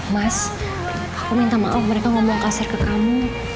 mas aku minta maaf mereka ngomong kasir ke kamu